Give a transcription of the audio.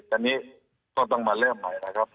อันนี้ต้องมาเริ่มใหม่แล้วครับ